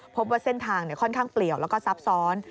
พบว่าเส้นทางค่อนข้างเปลี่ยวแล้วก็ซับซ้อน